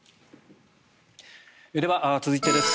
では、続いてです。